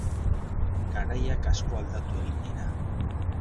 Garaiak asko aldatu egin dira.